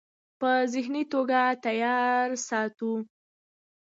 پۀ ذهني توګه تيار ساتو -